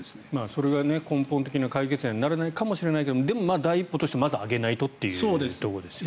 それが根本的な解決にはならないかもしれないけどでも第一歩としてまず上げないとというところですよね。